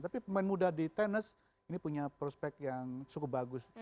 tapi pemain muda di tenis ini punya prospek yang cukup bagus